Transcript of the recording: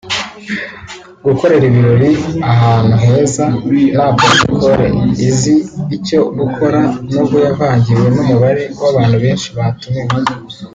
Gukorera ibirori ahantu heza na Protocol izi icyo gukora nubwo yavangiwe n’umubare w’abantu benshi batumiwe